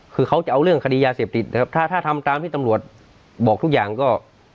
คือเขาจะเอาเรื่องคดียาเสพติดนะครับถ้าถ้าทำตามที่ตำรวจบอกทุกอย่างก็